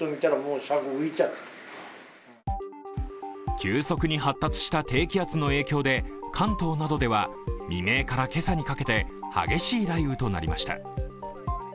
急速に発達した低気圧の影響で、関東などでは未明から今朝にかけて激しい雷雨となりました。